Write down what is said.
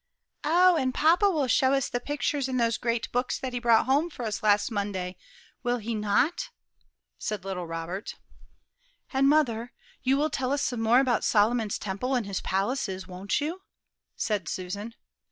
"Oh, and papa will show us the pictures in those great books that he brought home for us last Monday, will he not?" said little Robert. "And, mother, you will tell us some more about Solomon's temple and his palaces, won't you?" said Susan.